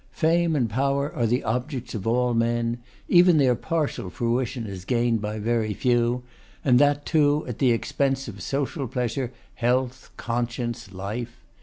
Fame and power are the objects of all men. Even their partial fruition is gained by very few; and that too at the expense of social pleasure, health, conscience, life.